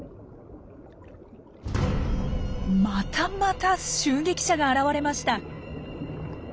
またまた襲撃者が現れました。